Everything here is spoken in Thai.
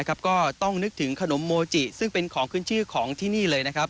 ก็ต้องนึกถึงขนมโมจิซึ่งเป็นของขึ้นชื่อของที่นี่เลยนะครับ